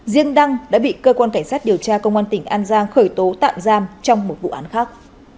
riêng đăng đã bị cơ quan cảnh sát điều tra công an tỉnh an giang khởi tố tạm giam trong một vụ án khác